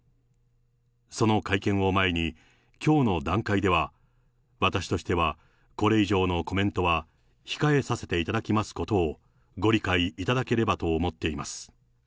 その会見を前に、きょうの段階では、私としては、これ以上のコメントは控えさせていただきますことをご理解いただければと思っております。